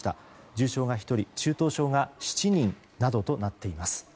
重症が１人、中等症が７人などとなっています。